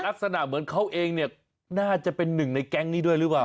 ลักษณะเหมือนเขาเองเนี่ยน่าจะเป็นหนึ่งในแก๊งนี้ด้วยหรือเปล่า